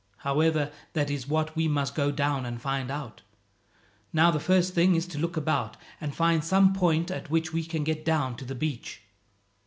However, that is what we must go down and find out. Now the first thing is to look about, and find some point at which we can get down to the beach."